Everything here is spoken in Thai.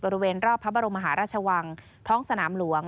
บริเวณรอบพระบรมมหาราชวังท้องสนามหลวง